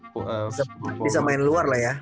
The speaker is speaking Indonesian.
bisa main luar lah ya